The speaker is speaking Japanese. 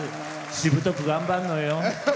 しぶとく頑張るのよ。